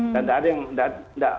dan tidak ada yang tidak